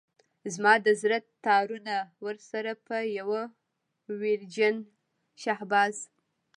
زما د زړه تارونه ورسره په يوه ويرجن شهباز.